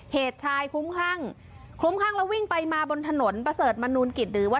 เหตุชายคุ้มคลั่งคลุ้มคลั่งแล้ววิ่งไปมาบนถนนประเสริฐมนูลกิจหรือว่า